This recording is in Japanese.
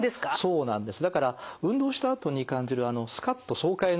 そうなんです。